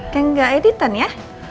kayak gak editan ya